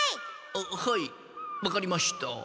あっはいわかりました。